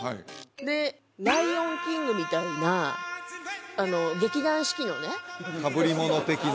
で「ライオンキング」みたいな劇団四季のねかぶり物的な？